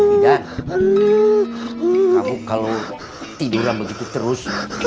idan kamu kalo tiduran begitu terus